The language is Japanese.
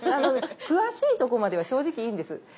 詳しいとこまでは正直いいんです。